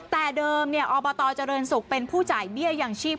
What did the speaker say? แต่เดิมอบตเจริญศุกร์เป็นผู้จ่ายเบี้ยอย่างชีพ